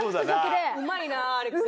うまいなぁアレクさん。